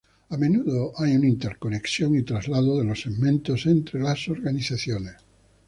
A menudo hay una interconexión y traslado de los segmentos entre las organizaciones.